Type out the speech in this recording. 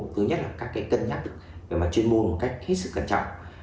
thứ nhất là các cái cân nhắc chuyên môn một cách hết sức cẩn trọng